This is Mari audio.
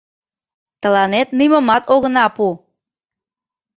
Тыланет нимомат огына пу!